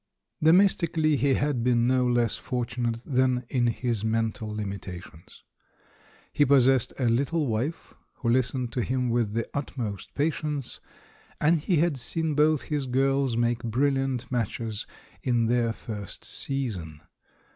Domestically he had been no less fortunate than in his mental limitations. He possessed a little wife, who listened to him with the utmost patience, and he had seen both his girls make brilliant matches in their first season.